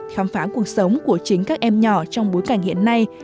khám phá cuộc sống của chính các em nhỏ trong bối cảnh hiện nay